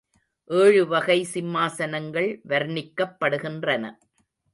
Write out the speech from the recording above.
ஏழு வகை சிம்மாசனங்கள் வர்ணிக்கப்படுகின்றன.